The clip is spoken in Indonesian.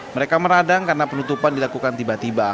mereka meradang karena penutupan dilakukan tiba tiba